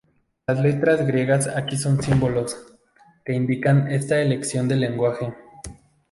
Las letras griegas aquí son símbolos, que indican esta elección de lenguaje.